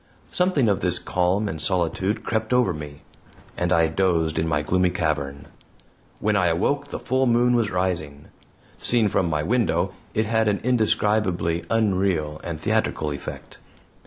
Something of this calm and solitude crept over me, and I dozed in my gloomy cavern. When I awoke the full moon was rising. Seen from my window, it had an indescribably unreal and theatrical effect.